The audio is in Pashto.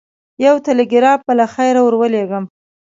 یو ټلګراف به له خیره ورلېږم.